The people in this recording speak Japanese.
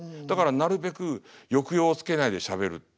だからなるべく抑揚をつけないでしゃべる。